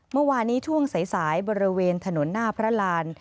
เมื่อวานนี้ช่วงสายบริเวณถนนหน้าพระราน